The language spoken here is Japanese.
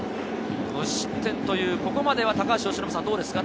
無失点というここまではどうですか？